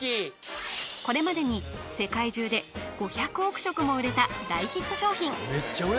これまでに世界中で５００億食も売れた大ヒット商品